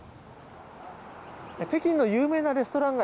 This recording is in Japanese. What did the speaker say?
北京の有名なレストラン街